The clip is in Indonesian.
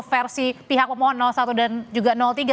versi pihak pemohon satu dan juga tiga